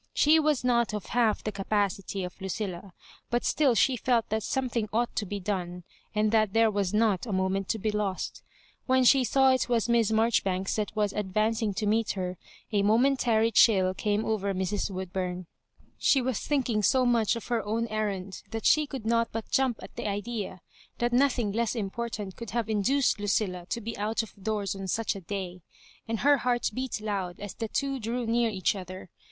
She was not of half the capacity of Lucilla, but still she felt that something ought to be done, and that there was not a moment to be lost Wben she saw it was Miss Marjoribanks that was advancing to meet her, a momentary chill came over Mrs. "Woodbum. She was thinking so much of her own errand that she could not but jump at the idea that nothing less important corQd have in duced Lucilla to be out of doors on such a day ; and her heart beat loud as the two drew near each other.